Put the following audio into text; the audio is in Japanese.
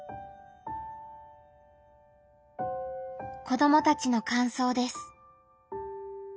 子どもたちの感想です。